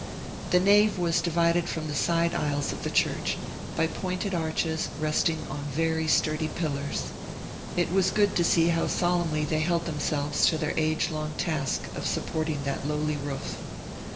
The nave was divided from the side aisles of the church by pointed arches resting on very sturdy pillars: it was good to see how solemnly they held themselves to their age long task of supporting that lowly roof.